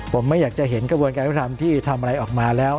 ผมไม่อยากจะเห็นกระบวนการยุติธรรมที่ทำอะไรออกมาแล้ว